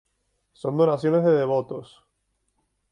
Son donaciones de devotos.